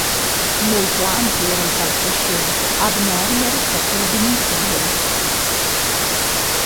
Molto ampio era il palcoscenico, abnorme rispetto alle dimensioni della sala.